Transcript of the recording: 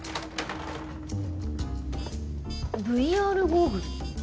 ＶＲゴーグル？